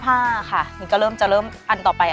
อยากดูกันว่า